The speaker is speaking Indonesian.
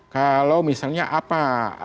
kalau misalnya apa